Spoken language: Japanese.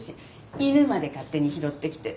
犬まで勝手に拾ってきて。